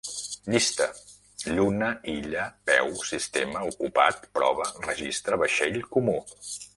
Llista: lluna, illa, peu, sistema, ocupat, prova, registre, vaixell, comú